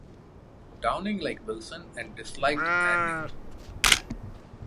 Downing liked Wilson and disliked Andy.